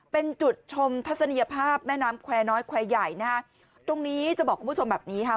เป็นจุดชมทัศนียภาพแม่น้ำแควร์น้อยแควร์ใหญ่นะฮะตรงนี้จะบอกคุณผู้ชมแบบนี้ค่ะ